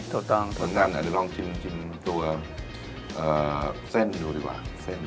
เหมือนกันนะเดี๋ยวลองชิมตัวเส้นดูดีกว่า